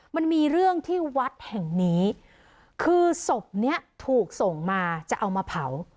มันมีเรื่องที่วัดแห่งนี้คือศพเนี้ยถูกส่งมาจะเอามาเผา